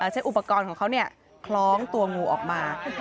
ใช้อุปกรณ์ของเขาคล้องตัวงูออกมา